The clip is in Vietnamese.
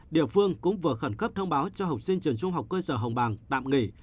địa phương cũng vừa khẩn cấp thông báo cho học sinh trường trung học cơ sở hồng bàng tạm nghỉ